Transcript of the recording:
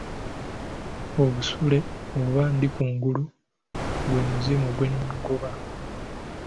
Obusule oba ndikungulu gwe muzimu gw’engoma.